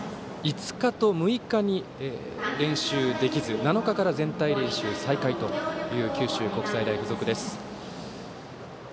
５日と６日に練習できず７日から全体練習再開という九州国際大付属です。